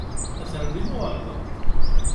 Atan din uɣerda.